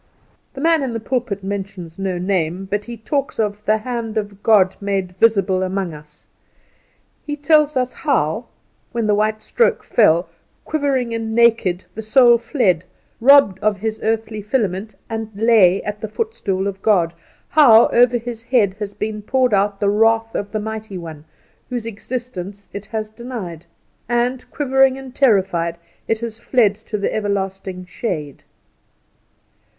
The man in the pulpit mentions no name; but he talks of "The hand of God made visible amongst us." He tells us how, when the white stroke fell, quivering and naked, the soul fled, robbed of his earthly filament, and lay at the footstool of God; how over its head has been poured out the wrath of the Mighty One, whose existence it has denied; and, quivering and terrified, it has fled to the everlasting shade.